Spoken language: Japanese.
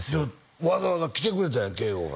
わざわざ来てくれたんや圭悟が